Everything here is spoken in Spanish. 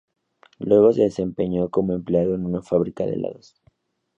Luego se desempeñó como empleado en una fábrica de helados.